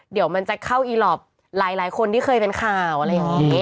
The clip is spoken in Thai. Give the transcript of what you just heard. เดี๋ยวมันจะเข้าอีหลอปหลายคนที่เคยเป็นข่าวอะไรอย่างนี้